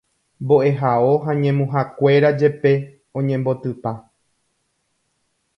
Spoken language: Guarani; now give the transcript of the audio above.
mbo'ehao ha ñemuhakuéra jepe oñembotypa.